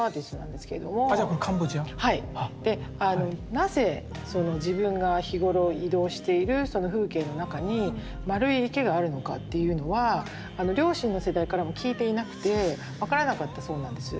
なぜその自分が日頃移動している風景の中にまるい池があるのかっていうのは両親の世代からも聞いていなくて分からなかったそうなんですよ。